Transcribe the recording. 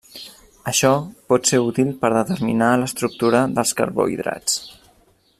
Això pot ser útil per determinar l'estructura dels carbohidrats.